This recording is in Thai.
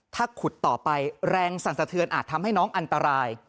ถ้าขุดต่อไปแรงสั่นสะเทือนอาจทำให้น้องอันตราย